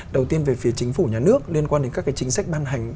đầu tiên về phía chính phủ nhà nước liên quan đến các cái chính sách ban hành